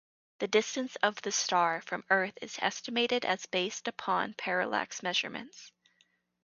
The distance of this star from Earth is estimated as based upon parallax measurements.